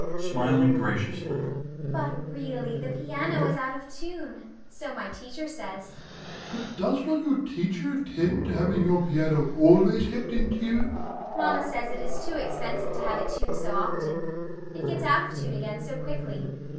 FATIMA (smiling graciously). But, really, the piano is out of tune, so my teacher says. DOMINIE. But does not your teacher attend to having your piano always kept in tune? FATIMA. Mamma says it is too expensive to have it tuned so often; it gets out of tune again so quickly.